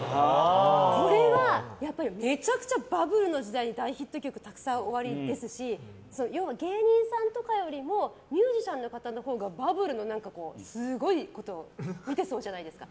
これはめちゃくちゃバブルの時代に大ヒット曲がたくさんおありですし要は、芸人さんとかよりもミュージシャンの方のほうがバブルのすごいことを見てそうじゃないですか。